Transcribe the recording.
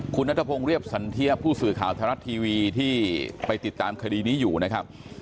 คุณนัทพงศ์เรียบสันเทียผู้สื่อข่าวไทยรัฐทีวีที่ไปติดตามคดีนี้อยู่นะครับ